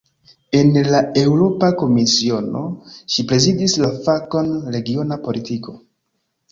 En la Eŭropa Komisiono ŝi prezidis la fakon "regiona politiko".